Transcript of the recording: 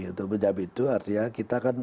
untuk menjawab itu artinya kita kan